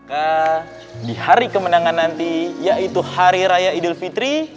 ke di hari kemenangan nanti yaitu hari raya idul fitri maka insyaallah kita